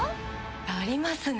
ありますね。